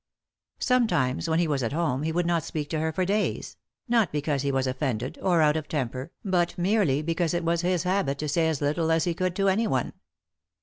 Sometimes, when he was at home, he would not speak to her for days ; not because he was offended, or out of temper, but merely beeause it was his habit to say as little as he could to anyone.